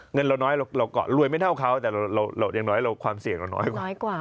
เงินนร้อยไม่เท่าเขาแต่ความเสี่ยงเรายังน้อยกว่า